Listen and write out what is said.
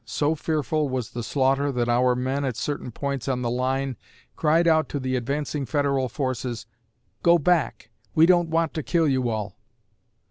So fearful was the slaughter that our men at certain points on the line cried out to the advancing Federal forces, "Go back; we don't want to kill you all!"